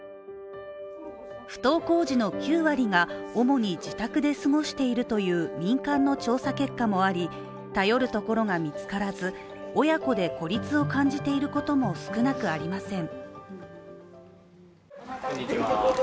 不登校児の９割が主に自宅で過ごしているという民間の調査結果もあり頼るところが見つからず親子で孤立を感じていることも少なくありません。